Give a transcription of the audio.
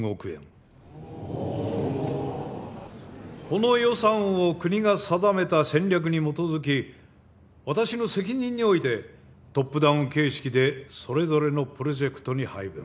この予算を国が定めた戦略に基づき私の責任においてトップダウン形式でそれぞれのプロジェクトに配分。